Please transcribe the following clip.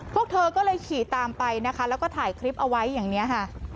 พวกเธอก็เลยขี่ตามไปนะคะแล้วก็ถ่ายคลิปเอาไว้อย่างนี้ค่ะ